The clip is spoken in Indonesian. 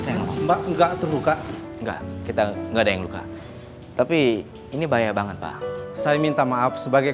sayang mbak enggak terbuka enggak kita enggak ada yang luka tapi ini bahaya banget pak saya minta maaf sebagai